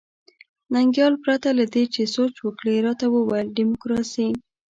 ننګیال پرته له دې چې سوچ وکړي راته وویل ډیموکراسي.